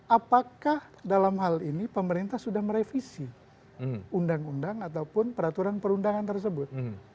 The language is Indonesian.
apakah dalam hal ini pemerintah sudah merevisi undang undang ataupun peraturan perundangan tersebut